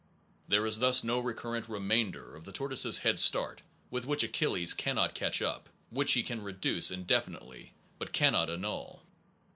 There is thus no recurrent remainder of the tortoise s head start with which Achilles cannot catch up, which he can reduce indefin itely, but cannot annul.